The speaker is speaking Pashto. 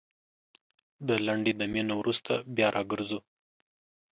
دا لنډې دمي نه وروسته بيا راګرځوو